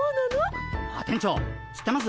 あっ店長知ってます？